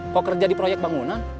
mau kerja di proyek bangunan